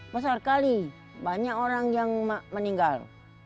besar sekali banyak orang yang meninggal